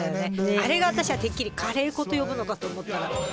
あれが私はてっきり「カレー粉」と呼ぶのかと思ったら別なのね。